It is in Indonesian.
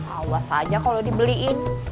awas aja kalau dibeliin